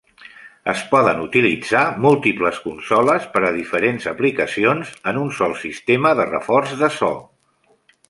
Es poden utilitzar múltiples consoles per a diferents aplicacions en un sol sistema de reforç de so.